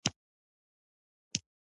د سپټمبر څلرویشتمه لوی اختر و.